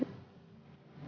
ya sebuah ya